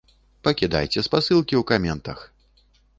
Пакідайце спасылкі ў каментах!